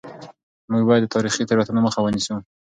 موږ باید د تاریخي تېروتنو مخه ونیسو.